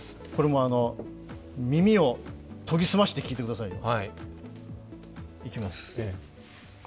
耳を研ぎ澄まして聞いてくださいよ。